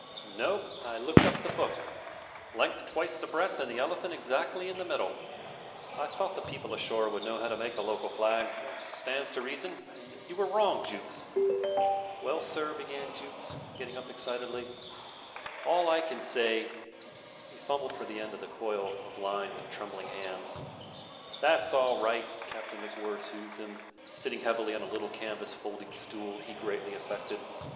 "No. I looked up the book. Length twice the breadth and the elephant exactly in the middle. I thought the people ashore would know how to make the local flag. Stands to reason. You were wrong, Jukes. ..." "Well, sir," began Jukes, getting up excitedly, "all I can say " He fumbled for the end of the coil of line with trembling hands. "That's all right." Captain MacWhirr soothed him, sitting heavily on a little canvas folding stool he greatly affected.